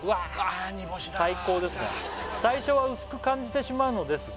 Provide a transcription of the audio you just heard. あ煮干しだ「最初は薄く感じてしまうのですが」